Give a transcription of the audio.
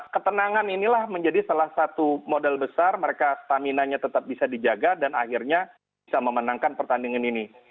ketenangan inilah menjadi salah satu modal besar mereka stamina nya tetap bisa dijaga dan akhirnya bisa memenangkan pertandingan ini